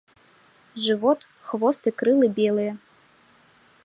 Жывот, хвост і крылы белыя.